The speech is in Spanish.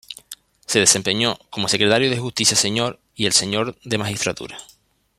Se desempeñó como Secretario de Justicia Señor y el Señor de Magistratura.